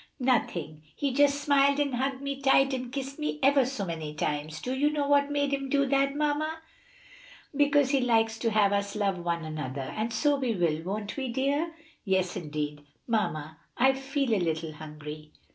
"Nothing; he just smiled and hugged me tight and kissed me ever so many times. Do you know what made him do that, mamma?" "Because he likes to have us love one another. And so we will, won't we, dear?" "Yes, indeed! Mamma, I feel a little hungry."